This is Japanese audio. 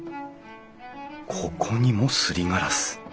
ここにもすりガラス。